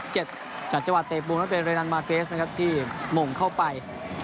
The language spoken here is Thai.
จากจังหวัดเตะปรุงแล้วเป็นเรนัลมาเกสที่ม่งเข้าไป